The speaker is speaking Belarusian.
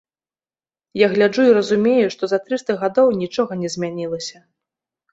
Я гляджу і разумею, што за трыста гадоў нічога не змянілася.